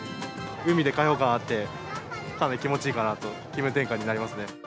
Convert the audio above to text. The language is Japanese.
海で開放感あって、気持ちいいかなと、気分転換になりますね。